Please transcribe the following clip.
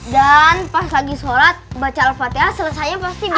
dan pas lagi sholat baca al fatihah selesainya pasti bilang